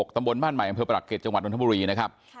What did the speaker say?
ตำบลบ้านใหม่อำเภอปรักเกร็จังหวัดนทบุรีนะครับ